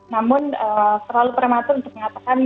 namun terlalu prematur untuk mengatakan